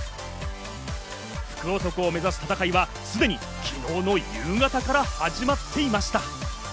福男を目指す戦いはすでに昨日の夕方から始まっていました。